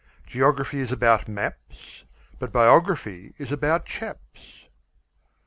Geography is about maps, But Biography is about chaps.